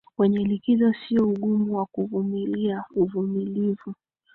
kwenye likizo sio ugumu wa kuvumilia uvumilivu